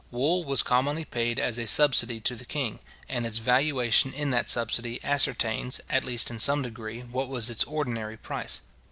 Wool was commonly paid as a subsidy to the king, and its valuation in that subsidy ascertains, at least in some degree, what was its ordinary price.